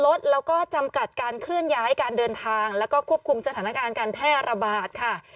ลดแล้วก็จำกัดการเคลื่อนย้ายการเดินทางแล้วก็ควบคุมสถานการณ์การแพร่ระบาดค่ะ